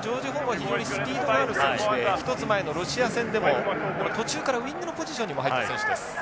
ジョージホーンは非常にスピードがある選手で１つ前のロシア戦でも途中からウイングのポジションにも入った選手です。